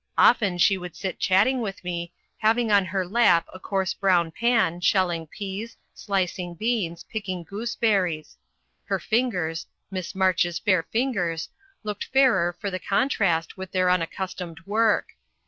Often she would sit chatting with me, having on her lap a coarse brown pan, shelling peas, slicing beans, picking gooseberries; her fingers Miss March's fair fingers looking fairer for the contrast with their unaccustomed work.